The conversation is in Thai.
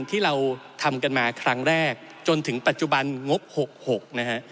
ที่เราทำกันมาครั้งแรกจนถึงปัจจุบันงบ๖๖นะฮะ